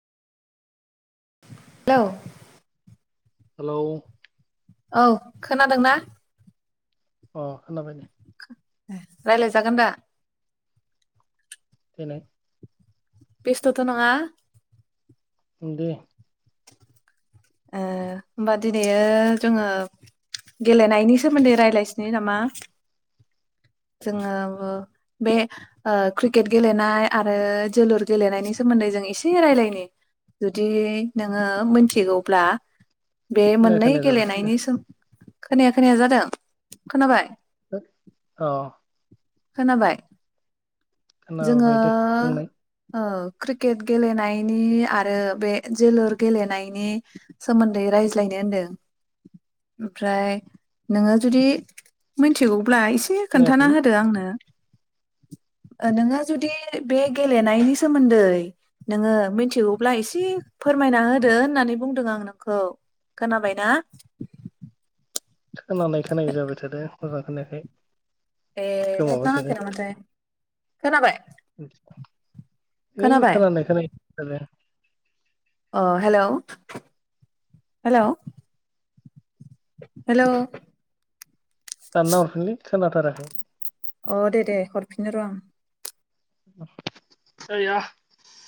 hello hello औ खोनादोंना अ खोनाबाय नै रायलायजागोन दा थेनाय बेस्थथ' नङा उम दे ओ होमबा दिनै जोङो गेलेनायनि सोमोन्दै रायलायसिनै नामा जोङो बे क्रिकेट गेलेनाय आरो जोलुर गेलेनायनि सोमोन्दै जों एसे रायलायनि जुदि नोङो मिथिगौ ब्ला बे खोनाया मोननै खोनाया जाबाय गेलेनायनि थादो सोम खोनाया खोनाया जादों खोनाबाय अ खोनाबाय जोङो खोनाबाय दे बुंनाय ओ क्रिकेट गेलेनायनि आरो बे जोलुर गेलेनायनि सोमोन्दै रायज्लायनो होनदों ओमफ्राय नोङो जुदि मिथिगौ ब्ला एसे खोन्थाना खोनायाखैलै होदो आंनो नोंङो जुदि बे गेलेनायनि सोमोन्दै नोङो मिथिगौब्ला एसे फोरमायना होदो होननानै बुंदों आं नोंखौ खोनाबायना खोनानाय खोनायि जाबाय थादों मोजां खोनायाखै ए नेट गोमाबाय नाङाखै नामाथाय खोनाबाय [inaudible] ओ नै खोनाबाय खोनानाय खोनायि जाबाय दों अ हेलौ हेलौ हेलौ दानना हरफिनलै सोनाथाराखै अ दे दे हरफिननो र' आं ओया